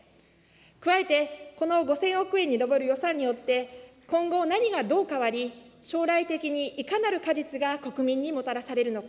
加えて、この５０００億円に上る予算によって、今後、何がどう変わり、将来的にいかなる果実が国民にもたらされるのか。